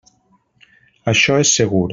Això és segur.